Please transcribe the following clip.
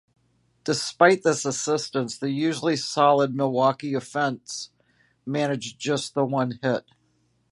Despite this assistance, the usually solid Milwaukee offense managed just the one hit.